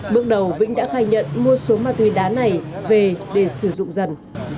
bước đầu vĩnh đã khai nhận mua số ma túy đá này về để sử dụng dần